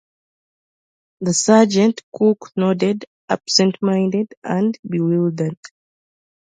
The sergeant-cook nodded, absent-minded and bewildered.